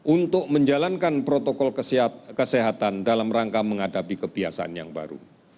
untuk menjalankan protokol kesehatan dalam rangka menghadapi kebiasaan yang baru